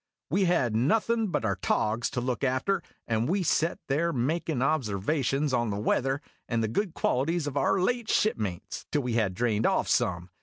We had nothin' but our togs to look after, and we set there makin' observations on the weather and the good qualities of our late shipmates, till we had drained off some.